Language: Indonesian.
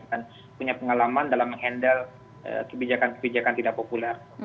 dan punya pengalaman dalam mengendal kebijakan kebijakan tidak populer